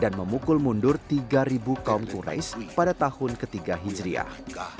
dan memukul mundur tiga ribu kaum quraish pada tahun ketiga hijriah